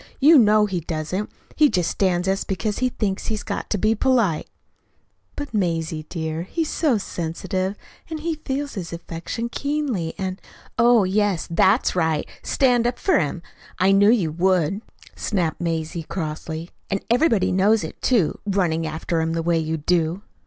You know he doesn't. He just stands us because he thinks he's got to be polite." "But, Mazie, dear, he's so sensitive, and he feels his affliction keenly, and " "Oh, yes, that's right stand up for him! I knew you would," snapped Mazie crossly. "And everybody knows it, too running after him the way you do."